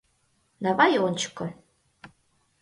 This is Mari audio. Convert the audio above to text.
Давай ончыко!